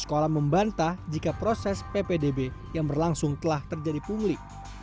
sekolah membantah jika proses ppdb yang berlangsung telah terjadi pungli